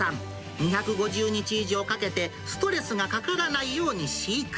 ２５０日以上かけてストレスがかからないように飼育。